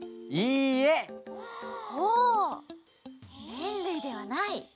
めんるいではない。